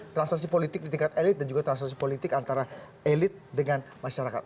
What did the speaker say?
transaksi politik di tingkat elit dan juga transaksi politik antara elit dengan masyarakat